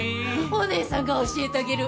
お姉さんが教えてあげる！